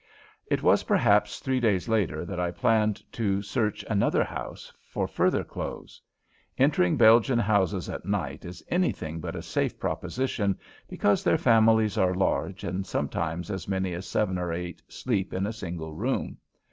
It was perhaps three days later that I planned to search another house for further clothes. Entering Belgian houses at night is anything but a safe proposition, because their families are large and sometimes as many as seven or eight sleep in a single room.